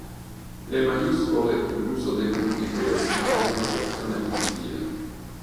Le maiuscole e l'uso dei punti fermi sono una questione di stile.